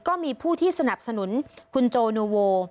ก็มีผู้ที่สนับสนุนคุณโจนูโว